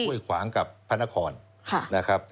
ก็คือไห้ขวางกับพนครนะครับ